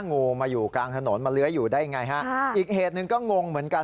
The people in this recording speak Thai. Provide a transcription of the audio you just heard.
งูมาอยู่กลางถนนมาเลื้อยอยู่ได้ยังไงฮะอีกเหตุหนึ่งก็งงเหมือนกัน